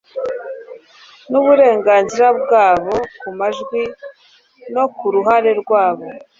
n uburenganzira bwabo ku majwi no ku ruhare rwabo